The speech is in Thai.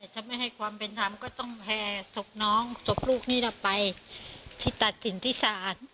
ถ้าไม่ให้ความเป็นธรรมก็ต้องแห่ศพน้องศพลูกนี้เราไปที่ตัดสินที่ศาล